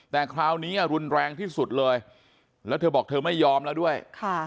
แต่คราวนี้รุนแรงที่สุดเลยแล้วเธอบอกเธอไม่ยอมแล้วด้วย